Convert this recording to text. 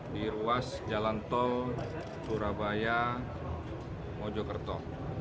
di ruas jalan tol surabaya mojokerto